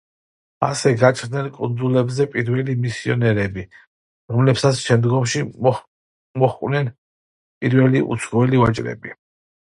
ასე გაჩნდნენ კუნძულებზე პირველი მისიონერები, რომლებსაც შემდგომში მოჰყვნენ პირველი უცხოელი ვაჭრები.